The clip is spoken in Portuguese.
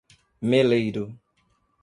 Meleiro